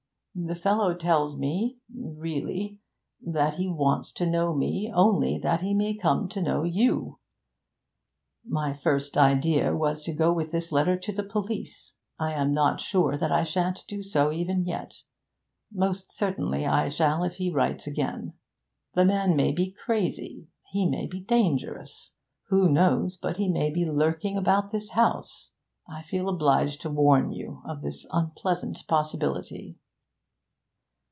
The fellow tells me, really, that he wants to know me only that he may come to know you! My first idea was to go with this letter to the police. I am not sure that I shan't do so even yet; most certainly I shall if he writes again. The man may be crazy he may be dangerous. Who knows but he may come lurking about the house? I felt obliged to warn you of this unpleasant possibility.'